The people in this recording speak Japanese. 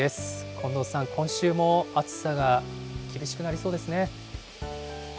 近藤さん、今週も暑さが厳しくなそうですね。